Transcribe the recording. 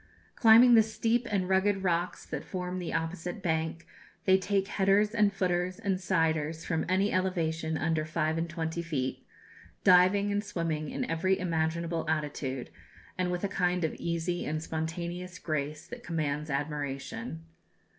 Climbing the steep and rugged rocks that form the opposite bank, they take headers and footers and siders from any elevation under five and twenty feet, diving and swimming in every imaginable attitude, and with a kind of easy and spontaneous grace that commands admiration.